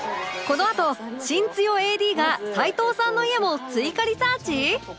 このあと芯強 ＡＤ が齊藤さんの家も追加リサーチ？